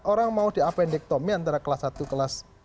orang mau diapendektomi antara kelas satu kelas tiga